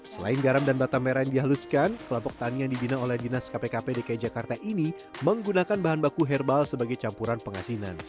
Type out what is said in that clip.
selain garam dan batam merah yang dihaluskan kelompok tanian dibina oleh dinas kpkp dki jakarta ini menggunakan bahan baku herbal sebagai campuran penghasinan